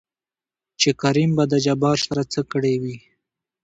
چې کريم به د جبار سره څه کړې وي؟